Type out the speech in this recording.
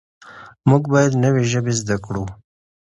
موږ باید نوې ژبې زده کړو.